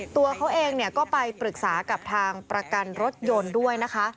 ตัวเขาเองก็ไปปรึกษากับทางประกันรถยนต์ด้วยนะคะ